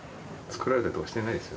作られたりとかしてないです